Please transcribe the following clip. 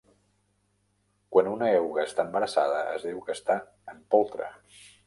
Quan una euga està embarassada, es diu que està "en poltre".